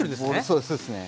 そうそうですね。